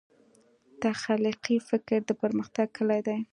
تخلیقي فکر د پرمختګ کلي دی.